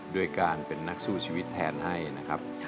ด้วยการเป็นนักสู้ชีวิตแทนให้นะครับ